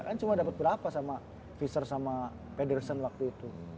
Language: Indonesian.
kan cuma dapet berapa sama piser sama pedersen waktu itu